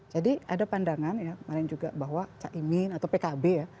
jadi ada pandangan ya kemarin juga bahwa chaimin atau pkb ya